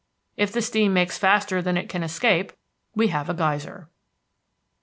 If the steam makes faster than it can escape, we have a geyser.